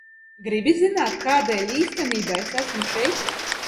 Gribi zināt, kādēļ es īstenībā esmu šeit?